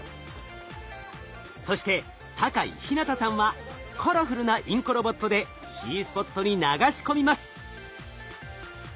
そして酒井陽向さんはカラフルなインコロボットでＣスポットに流し込みます。